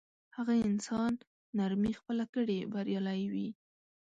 هغه انسان نرمي خپله کړي بریالی وي.